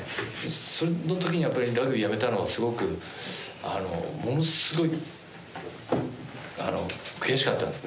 その時にやっぱりラグビーやめたのがすごくものすごい悔しかったんですね。